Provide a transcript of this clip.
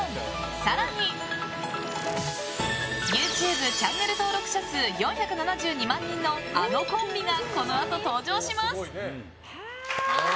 更に、ＹｏｕＴｕｂｅチャンネル登録者数４７２万人のあのコンビがこのあと登場します！